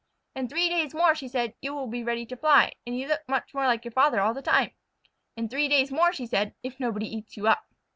"In three days more," said she, "you will be ready to fly, and you look more like your father all the time. In three days more," she said, "if nobody eats you up."